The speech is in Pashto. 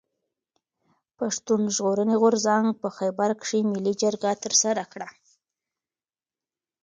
پښتون ژغورني غورځنګ په خېبر کښي ملي جرګه ترسره کړه.